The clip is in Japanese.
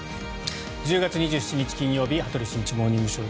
１０月２７日、金曜日「羽鳥慎一モーニングショー」。